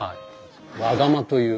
和釜という。